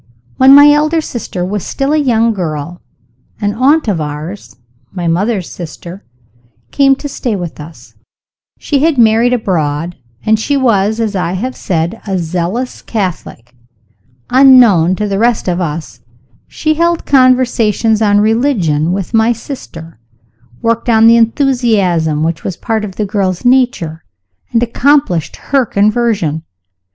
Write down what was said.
"When my elder sister was still a young girl, an aunt of ours (my mother's sister) came to stay with us. She had married abroad, and she was, as I have said, a zealous Catholic. Unknown to the rest of us, she held conversations on religion with my sister worked on the enthusiasm which was part of the girl's nature and accomplished her conversion.